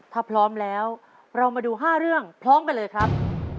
ถ้าพร้อมแล้วเรามาดู๕เรื่องพร้อมกันเลยครับ